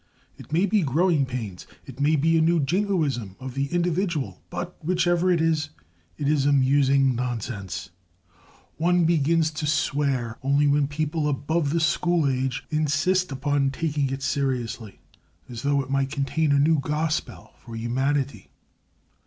It may be growing pains, or it may be a new jingoism of the individual, but, whichever it is, it is amusing nonsense. One begins to swear only when people above the school age insist upon taking it seriously as though it might contain a new gospel for humanity.